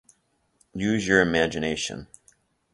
Use your imagination.